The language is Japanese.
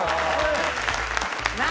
何？